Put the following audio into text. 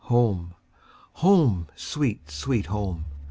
Home! home! sweet, sweet home!